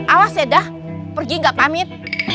awas sedah pergi gak pamit